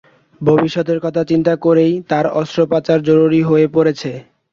ভবিষ্যতের কথা চিন্তা করেই তাঁর অস্ত্রোপচার জরুরি হয়ে পড়েছে।